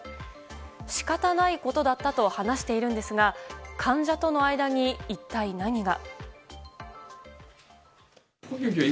仕方ないことだったと話しているんですが患者との間に、一体何が。